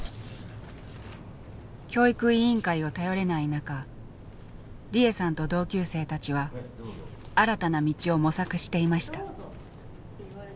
教育委員会を頼れない中利枝さんと同級生たちは新たな道を模索していました。